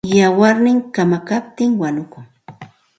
Wayarnin kamakaptin wanukun.